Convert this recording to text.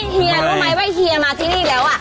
เฮียรู้ไหมว่าเฮียมาที่นี่แล้ว